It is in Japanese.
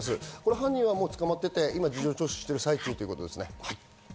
犯人はもう捕まっていて今、事情聴取を受けているということですね。